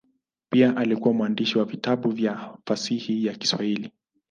Pia alikuwa mwandishi wa vitabu vya fasihi ya Kiswahili.